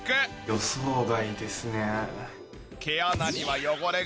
予想外ですね。